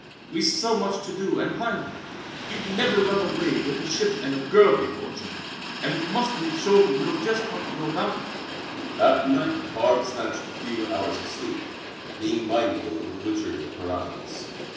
"We've so much to do and plan. You've never run away with a ship and a girl before, Jean, and we must make sure you know just how to go about it." That night Barbe snatched a few hours of sleep, being mindful of the witchery of her eyes.